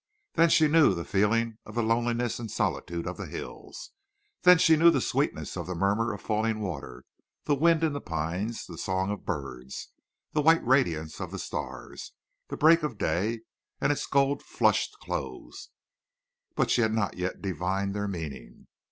Then she knew the feeling of the loneliness and solitude of the hills. Then she knew the sweetness of the murmur of falling water, the wind in the pines, the song of birds, the white radiance of the stars, the break of day and its gold flushed close. But she had not yet divined their meaning.